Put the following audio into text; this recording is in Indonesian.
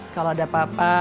kalau ada apa apa